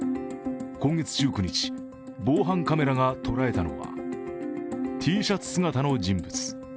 今月１９日、防犯カメラが捉えたのはＴシャツ姿の人物。